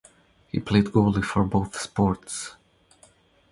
He played goalie for both sports.